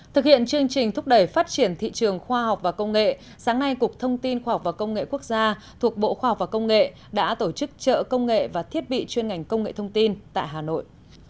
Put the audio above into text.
thực hiện chương trình thúc đẩy phát triển thị trường khoa học và công nghệ sáng nay cục thông tin khoa học và công nghệ quốc gia thuộc bộ khoa học và công nghệ đã tổ chức trợ công nghệ và thiết bị chuyên ngành công nghệ thông tin tại hà nội